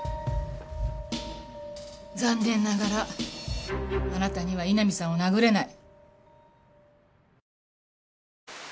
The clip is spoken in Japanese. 残念ながらあなたには井波さんを殴れない。